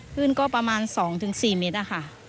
คลื่นก็ประมาณ๒๔มิตรค่ะ